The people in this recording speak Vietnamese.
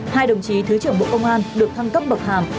hai đồng chí thứ trưởng bộ công an được thăng cấp bậc hàm